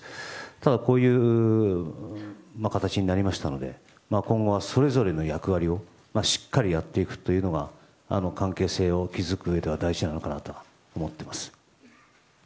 ただ、こういう形になりましたので今後はそれぞれの役割をしっかりやっていくことが関係性を築くうえでは大事なのかなと思っております。